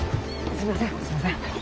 すみません。